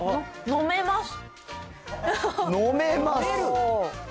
飲めます？